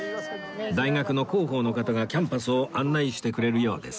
大学の広報の方がキャンパスを案内してくれるようです